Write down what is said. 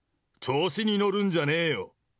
調子に乗るんじゃねえよ。